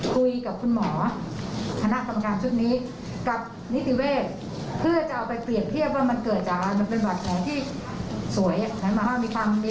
คุยกับคุณหมอ